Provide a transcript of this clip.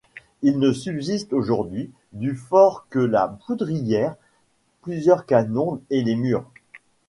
Il ne subsiste aujourd'hui du fort que la poudrière, plusieurs canons et les murs.